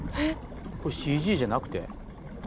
これＣＧじゃなくて？